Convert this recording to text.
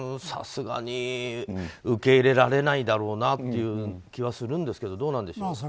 さすがに受け入れられないだろうなという気はするんですがどうなんでしょう。